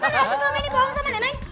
kan gak usah selama ini bohong sama nenek